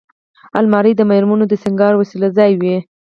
الماري د مېرمنو د سینګار وسیلو ځای وي